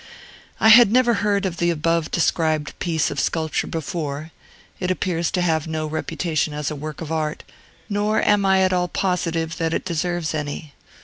I had never heard of the above described piece of sculpture before; it appears to have no reputation as a work of art, nor am I at all positive that it deserves any.